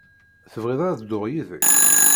Tebɣiḍ ad dduɣ yid-k?